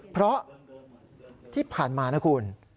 เพราะที่ผ่านมานะคุณ